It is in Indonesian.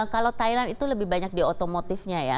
kalau thailand itu lebih banyak di otomotifnya ya